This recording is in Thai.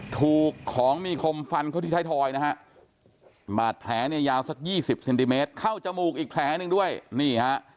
ถูกของมีคมฟันเข้าที่ไทยทอยนะฮะบาดแผลเนี่ยยาวสักยี่สิบเซนติเมตรเข้าจมูกอีกแผลหนึ่งด้วยนี่ฮะ